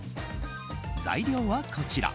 材料はこちら。